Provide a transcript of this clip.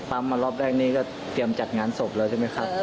มารอบแรกนี่ก็เตรียมจัดงานศพแล้วใช่ไหมครับ